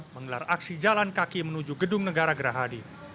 menggelar aksi jalan kaki menuju gedung negara gerahadi